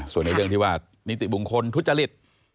ส่วนในเรื่องที่ว่านิติบุคคลทุจริต